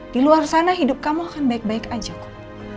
di luar sana hidup kamu akan baik baik aja kok